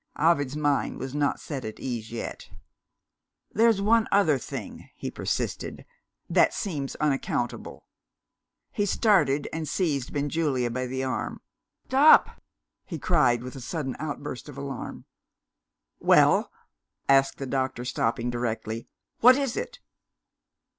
Ovid's mind was not set at ease yet. "There's one other thing," he persisted, "that seems unaccountable." He started, and seized Benjulia by the arm. "Stop!" he cried, with a sudden outburst of alarm. "Well?" asked the doctor, stopping directly. "What is it?"